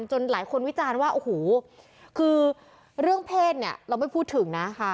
หลายคนวิจารณ์ว่าโอ้โหคือเรื่องเพศเนี่ยเราไม่พูดถึงนะค่ะ